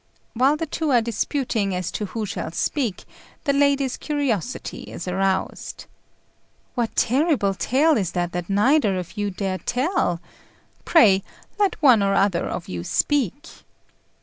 While the two are disputing as to who shall speak, the lady's curiosity is aroused. "What terrible tale is this that neither of you dare tell? Pray let one or other of you speak."